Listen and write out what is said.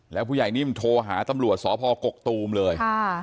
แล้วผู้ใหญ่นิ่มโทรหาตำรวจสพกกตูมเลย